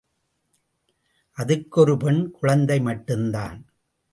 அதுக்கு ஒரு பெண் குழந்தை மட்டுந்தான்.